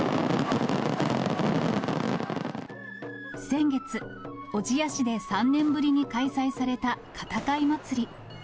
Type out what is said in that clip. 先月、小千谷市で３年ぶりに開催された片貝まつり。